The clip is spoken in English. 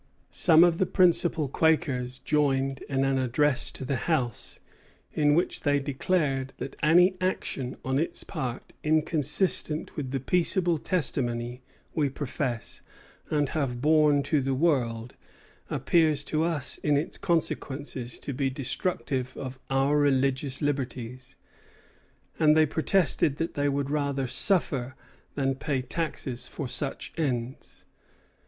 Some of the principal Quakers joined in an address to the House, in which they declared that any action on its part "inconsistent with the peaceable testimony we profess and have borne to the world appears to us in its consequences to be destructive of our religious liberties." And they protested that they would rather "suffer" than pay taxes for such ends.